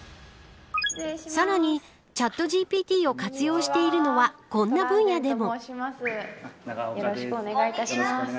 さらにチャットＧＰＴを活用しているのはこんな分野でも。